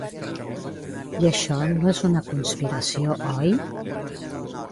I això no és una conspiració, oi?